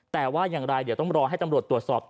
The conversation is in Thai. แต่ว่าอย่างไรเดี๋ยวต้องรอให้ตำรวจตรวจสอบ